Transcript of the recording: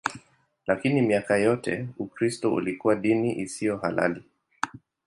Lakini miaka yote Ukristo ulikuwa dini isiyo halali.